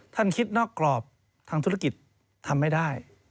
ท่านคิดนอกกรอบทางธุรกิจทำไม่ได้